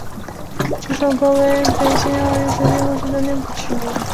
这首歌由北京奥运会闭幕式音乐总监卞留念谱曲。